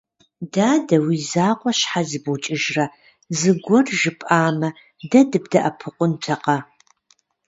Дадэ, уи закъуэ щхьэ зыбукӀыжрэ, зыгуэр жыпӀамэ, дэ дыбдэӀэпыкъунтэкъэ?